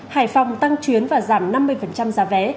hải phòng tăng chuyến và giảm năm mươi giá vé